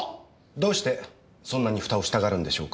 どうしてそんなにふたをしたがるんでしょうか？